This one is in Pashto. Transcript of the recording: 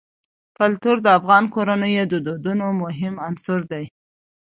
کلتور د افغان کورنیو د دودونو مهم عنصر دی.